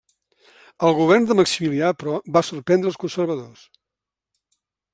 El govern de Maximilià, però, va sorprendre els conservadors.